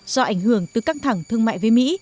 do ảnh hưởng từ căng thẳng thương mại với mỹ